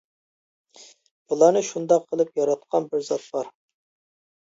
بۇلارنى شۇنداق قىلىپ ياراتقان بىر زات بار.